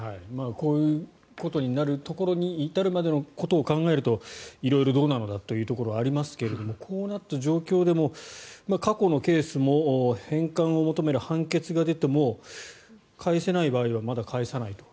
こういうことになるところに至るまでのことを考えると色々どうなのだというところはありますがこうなった状況でも過去のケースも返還を求める判決が出ても返せない場合はまだ返さないと。